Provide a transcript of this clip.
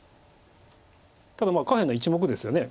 ただ下辺の１目ですよね。